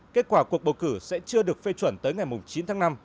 kết quả cuộc bầu cử sẽ chưa được phê chuẩn tới ngày chín tháng năm